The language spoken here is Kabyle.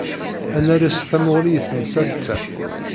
Ad nales tamuɣli i temsalt-a.